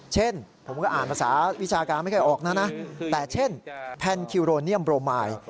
เช่นผมก็อ่านภาษาวิชาการไม่เคยออกนะนะแต่เช่นแพนคิวโรเนียมโรมาย